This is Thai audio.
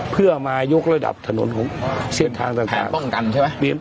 เพื่อมายกระดับถนนเส้นทางต่าง